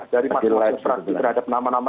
dari masing masing fraksi terhadap nama nama